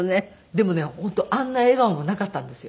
でもね本当あんな笑顔もなかったんですよ。